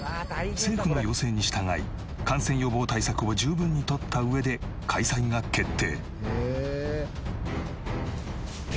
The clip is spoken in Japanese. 政府の要請に従い感染予防対策を十分にとった上で開催が決定。